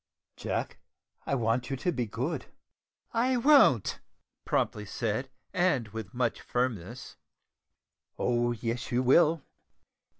"Jack, I want you to be good." "I won't!" promptly said, and with much firmness. "Oh, yes, you will!"